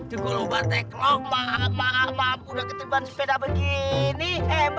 gue sam qurraba tekno maaf mana udah ketengan sepeda begini emah